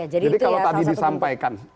jadi kalau tadi disampaikan